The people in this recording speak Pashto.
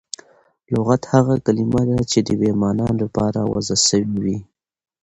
لغت هغه کلیمه ده، چي د یوې مانا له پاره وضع سوی وي.